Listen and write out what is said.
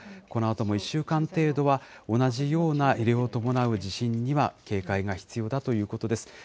このあとも１週間程度は、同じような揺れを伴う地震には警戒が必要だということです。